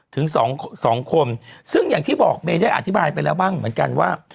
ถึงสองสองคนซึ่งอย่างที่บอกเมย์ได้อธิบายไปแล้วบ้างเหมือนกันว่า